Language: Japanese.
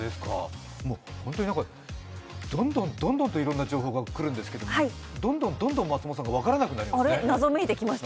本当に、どんどんといろんな情報がくるんですけどどんどんどんどん、松本さんが分からなくなってきました。